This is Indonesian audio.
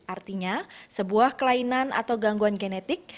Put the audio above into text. artinya sebuah kelainan atau gangguan genetik